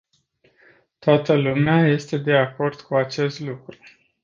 Toată lumea este de acord cu acest lucru.